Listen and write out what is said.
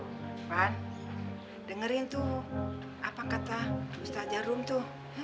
topan dengerin tuh apa kata ustazah rum tuh